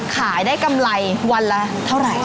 ขายได้กำไรวันละเท่าไหร่